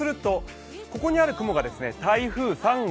ここにある雲が台風３号。